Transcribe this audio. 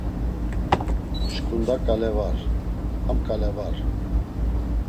Şǩunda ǩale var; ham ǩale var.